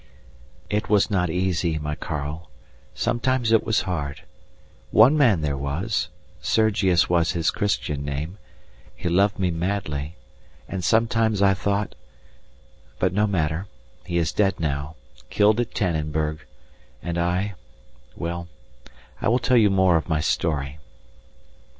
It was not easy, my Karl, sometimes it was hard; one man there was, Sergius was his Christian name; he loved me madly, and sometimes I thought but no matter, he is dead now, killed at Tannenberg, and I well, I will tell you more of my story.